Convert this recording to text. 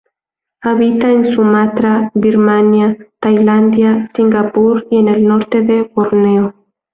Habita en Sumatra, Birmania, Tailandia, Singapur y en el norte de Borneo.